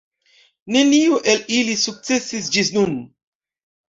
Neniu el ili sukcesis ĝis nun.